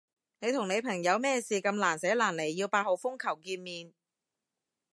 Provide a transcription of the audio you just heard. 你同你朋友咩事咁難捨難離要八號風球見面？